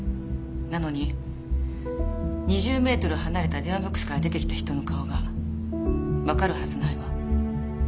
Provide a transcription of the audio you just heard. なのに２０メートル離れた電話ボックスから出てきた人の顔がわかるはずないわ。